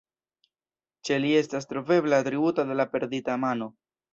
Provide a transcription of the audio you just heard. Ĉe li estas trovebla atributo de la perdita mano.